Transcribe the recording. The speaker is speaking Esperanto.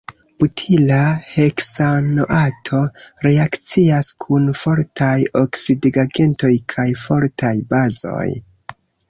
Butila heksanoato reakcias kun fortaj oksidigagentoj kaj fortaj bazoj.